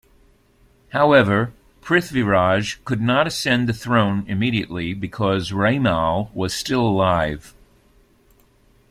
However, Prithviraj could not ascend the throne immediately because Raimal was still alive.